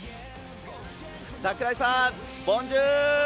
櫻井さん、ボンジュル！